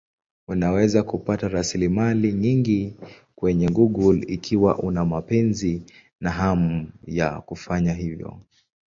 Unaweza kupata rasilimali nyingi kwenye Google ikiwa una mapenzi na hamu ya kufanya hivyo.